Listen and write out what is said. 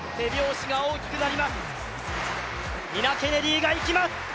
ニナ・ケネディがいきます